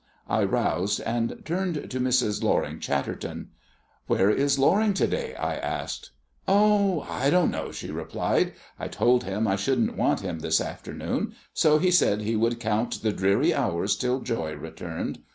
I roused, and turned to Mrs. Loring Chatterton. "Where is Loring to day?" I asked. "Oh, I don't know," she replied. "I told him I shouldn't want him this afternoon, so he said he would count the dreary hours till joy returned.